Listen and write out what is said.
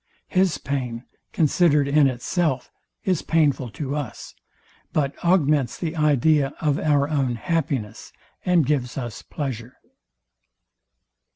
His pain, considered in itself, is painful to us, but augments the idea of our own happiness, and gives us pleasure.